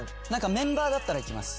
メンバーだったら行きます。